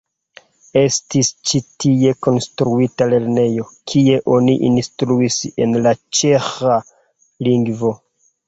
Estis ĉi tie konstruita lernejo, kie oni instruis en la ĉeĥa lingvo.